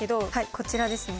こちらですね